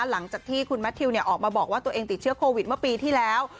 หลังจากที่คุณแมททิวออกมาบอกว่าตัวเองติดเชื้อโควิดเมื่อปีที่แล้ว